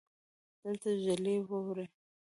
دلته ژلۍ ووري